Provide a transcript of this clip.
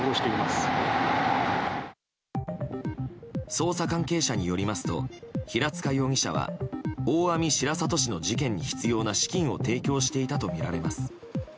捜査関係者によりますと平塚容疑者は大網白里市の事件に必要な資金を提供していたとみられます。